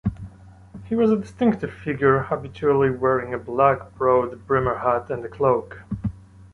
He was a distinctive figure, habitually wearing a black broad-brimmed hat and a cloak.